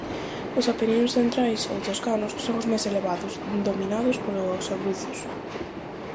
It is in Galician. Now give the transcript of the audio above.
Os Apeninos Centrais ou Toscanos son os máis elevados, dominados polos Abruzos.